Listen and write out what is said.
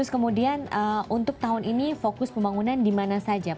kemudian untuk tahun ini fokus pembangunan di mana saja pak